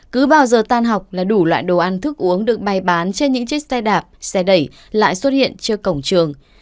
cứ bao giờ tan học là đủ loại đồ ăn thức uống được bày bán trên những chiếc xe đạp xe đẩy lại xuất hiện trước cổng trường